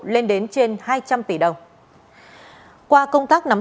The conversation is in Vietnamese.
lên đến trên hai trăm linh tỷ đồng